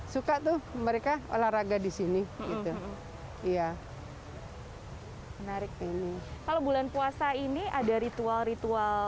suka tuh mereka olahraga di sini gitu iya menarik ini kalau bulan puasa ini ada ritual ritual